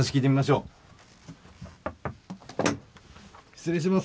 失礼します。